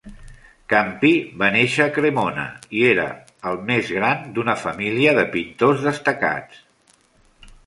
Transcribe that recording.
Campi va néixer a Cremona i era el més gran d'una família de pintors destacats.